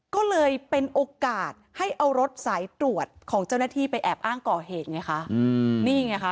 ก็เลยเป็นโอกาสให้เอารถสายตรวจของเจ้าหน้าที่ไปแอบอ้างก่อเหตุไงคะอืมนี่ไงค่ะ